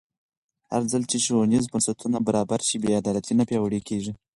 هرځل چې ښوونیز فرصتونه برابر شي، بې عدالتي نه پیاوړې کېږي.